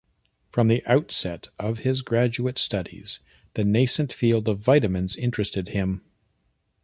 From the outset of his graduate studies, the nascent field of vitamins interested him.